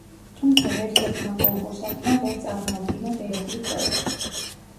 თუმცა ვერცერთმა კონკურსანტმა ვერ წარმოადგინა ღირებული პროექტი.